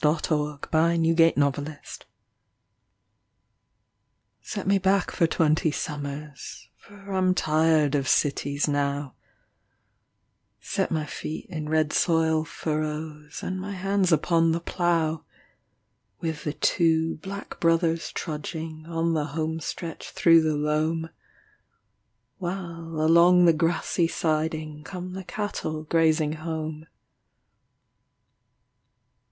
THE SHAKEDOWN ON THE FLOOR Set me back for twenty summers For I'm tired of cities now Set my feet in red soil furrows And my hands upon the plough, With the two 'Black Brothers' trudging On the home stretch through the loam While, along the grassy siding, Come the cattle grazing home.